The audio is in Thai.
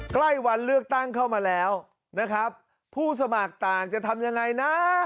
ใกล้วันเลือกตั้งเข้ามาแล้วนะครับผู้สมัครต่างจะทำยังไงนะ